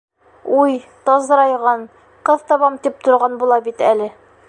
— Уй, тазрайған, ҡыҙ табам тип торған була бит әле.